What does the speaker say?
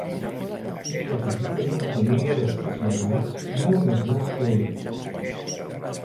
És la petita d'una família de sis germans molt més grans que ella.